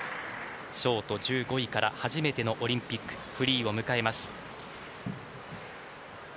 ショート１５位から初めてのオリンピックフリーを迎えます。